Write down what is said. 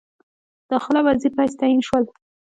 داخله وزیر په حیث تعین شول.